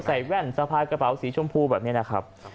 แว่นสะพายกระเป๋าสีชมพูแบบนี้นะครับ